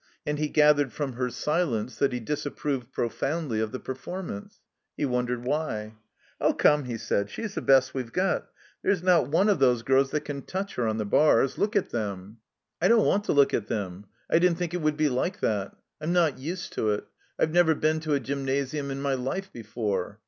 And he gathered from her silence that she disapproved profoimdly of the performance. He wondered why. "Oh, come," he said. "She's the best we've got. There's not one of those girls that can touch her on the bars. Look at them. '' 84 THE COMBINED MAZE ''I don't want to look at them. I didn't think it would be like that. I'm not used to it. I've never been to a Gymnasium in my life before."